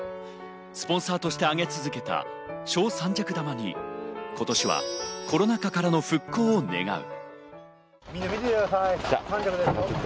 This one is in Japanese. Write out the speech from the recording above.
スポンサーとして上げ続けた正三尺玉に今年はコロナ禍からの復興を願う。